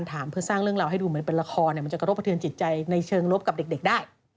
เพื่อสร้างเรื่องราวให้ดูเหมือนเป็นละครมันจะกระทบกระเทือนจิตใจในเชิงลบกับเด็กได้